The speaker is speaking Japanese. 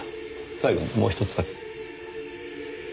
最後にもうひとつだけ。